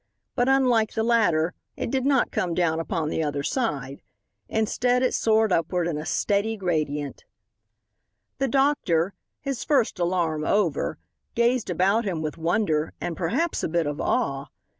But, unlike the latter, it did not come down upon the other side. Instead, it soared upward in a steady gradient. The doctor, his first alarm over, gazed about him with wonder, and perhaps a bit of awe.